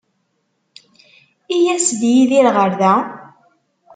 I yas-d Yidir ɣer da?